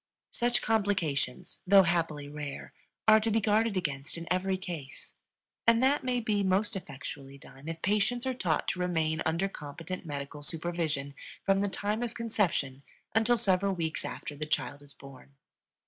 Such complications, though happily rare, are to be guarded against in every case, and that may be most effectually done if patients are taught to remain under competent medical supervision from the time of conception until several weeks after the child is born.